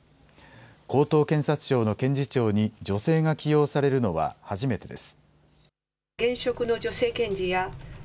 高等検察庁の検事長に女性が起用されるのは初めてです。